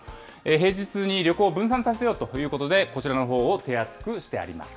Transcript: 平日に旅行を分散させようということで、こちらのほうを手厚くしてあります。